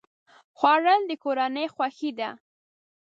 خوړل د کورنۍ خوښي ده